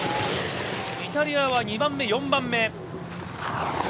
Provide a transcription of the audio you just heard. イタリアは２番目、４番目。